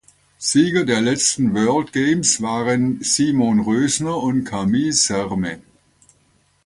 Sieger der letzten World Games waren Simon Rösner und Camille Serme.